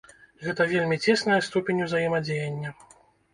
Гэта вельмі цесная ступень узаемадзеяння.